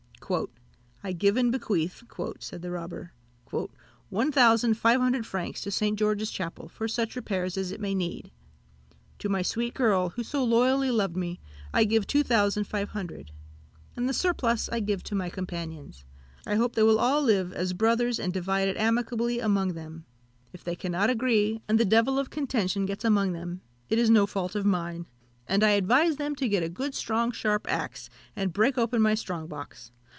"I give and bequeath," said the robber, "one thousand five hundred francs to St. George's Chapel, for such repairs as it may need; to my sweet girl, who so loyally loved me, I give two thousand five hundred; and the surplus I give to my companions. I hope they will all live as brothers, and divide it amicably among them. If they cannot agree, and the devil of contention gets among them, it is no fault of mine; and I advise them to get a good strong sharp axe, and break open my strong box.